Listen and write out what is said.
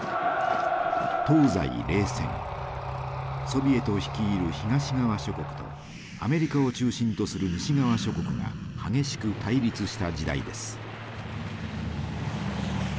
ソビエト率いる東側諸国とアメリカを中心とする西側諸国が激しく対立した時代です。